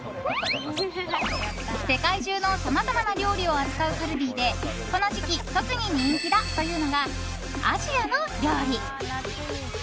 世界中のさまざまな料理を扱うカルディでこの時期、特に人気だというのがアジアの料理。